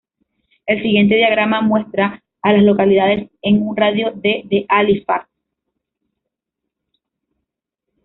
El siguiente diagrama muestra a las localidades en un radio de de Halifax.